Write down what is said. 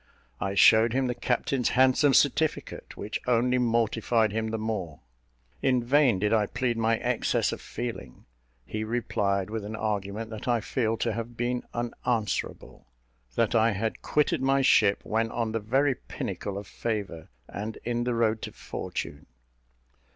I showed him the captain's handsome certificate, which only mortified him the more. In vain did I plead my excess of feeling. He replied with an argument that I feel to have been unanswerable that I had quitted my ship when on the very pinnacle of favour, and in the road to fortune.